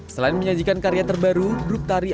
selain menyajikan karya terbaru grup tari